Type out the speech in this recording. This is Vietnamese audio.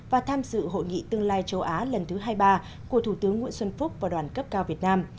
và tham dự hội nghị tương lai châu á lần thứ hai mươi ba của thủ tướng nguyễn xuân phúc và đoàn cấp cao việt nam